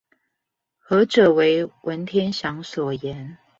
何者為文天祥所言？